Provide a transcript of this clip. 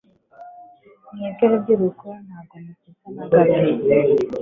Mwebwe rubyiruko ntabwo musetsa na gato.